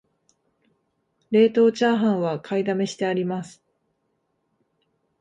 冷凍チャーハンは買いだめしてあります